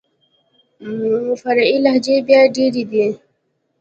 فرعي لهجې بيا ډېري دي.